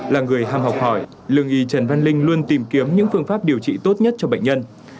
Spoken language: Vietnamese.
là người ham học hỏi lương y trần văn linh luôn tìm kiếm những phương pháp điều trị tốt nhất cho bệnh nhân